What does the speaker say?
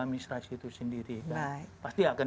administrasi itu sendiri dan pasti akan